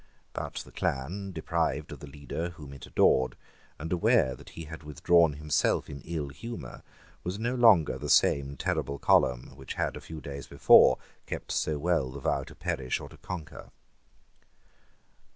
But the clan, deprived of the leader whom it adored, and aware that he had withdrawn himself in ill humour, was no longer the same terrible column which had a few days before kept so well the vow to perish or to conquer.